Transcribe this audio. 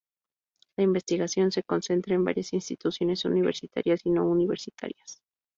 La investigación se concentra en varias instituciones universitarias y no-universitarias.